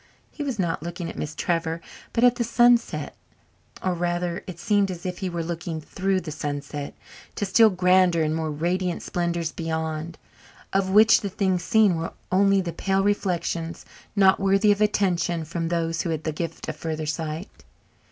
He was not looking at Miss Trevor but at the sunset or, rather, it seemed as if he were looking through the sunset to still grander and more radiant splendours beyond, of which the things seen were only the pale reflections, not worthy of attention from those who had the gift of further sight.